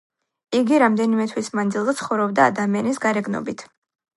იგი რამდენიმე თვის მანძილზე ცხოვრობდა ადამიანის გარეგნობით.